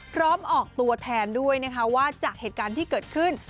พร้อมออกตัวแทนด้วยนะคะว่าจากเหตุการณ์ที่เกิดขึ้น